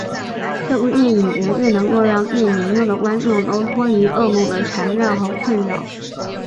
这部电影绝对能够让最年幼的观众都脱离噩梦的缠绕和困扰。